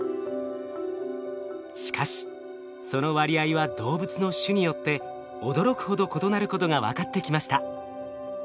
しかしその割合は動物の種によって驚くほど異なることが分かってきました。